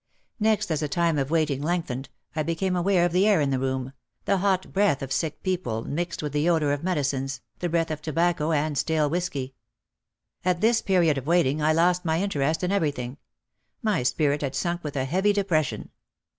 Next as the time of waiting lengthened, I became aware of the air in the room, the hot breath of sick people mixed with the odour of medicines, the breath of tobacco and stale whiskey. At this period of waiting I lost my inter est in everything, my spirit had sunk with a heavy de pression.